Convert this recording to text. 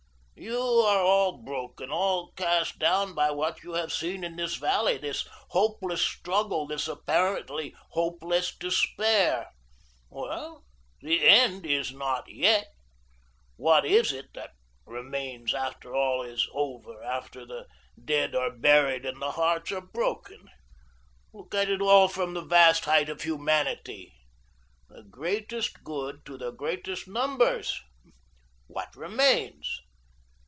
You are all broken, all cast down by what you have seen in this valley, this hopeless struggle, this apparently hopeless despair. Well, the end is not yet. What is it that remains after all is over, after the dead are buried and the hearts are broken? Look at it all from the vast height of humanity 'the greatest good to the greatest numbers.' What remains?